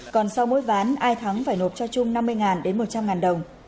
còn sau mối ván ai thắng phải nộp cho trung năm mươi ngàn đến một trăm linh ngàn đồng